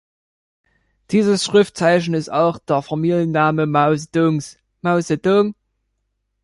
Dieses Schriftzeichen ist auch der Familienname Mao Zedongs 毛泽东.